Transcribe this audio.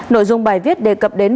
nội dung bài viết đề cập đến